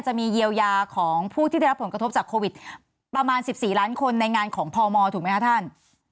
จะมีเยียวยาของผู้ที่ได้รับผลกระทบจากโควิดประมาณ๑๔ล้านคนในงานของพมถูกไหมคะท่าน